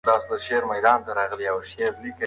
ما د «لر او بر» ویبپاڼې مدیر ته خپل اندیښمن لیک ولیږه.